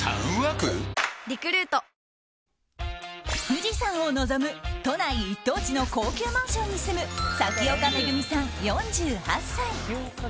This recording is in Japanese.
富士山を臨む都内一等地の高級マンションに住む咲丘恵美さん、４８歳。